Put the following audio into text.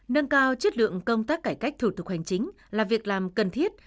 nâng cao chất lượng công tác cải cách thủ tục hành chính là việc làm cần thiết